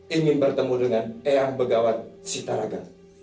ingin bertemu dengan eyang begawat sitaraga